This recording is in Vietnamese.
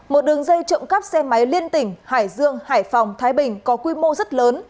một đường dây trộm cắp xe máy liên tỉnh hải dương hải phòng thái bình có quy mô rất lớn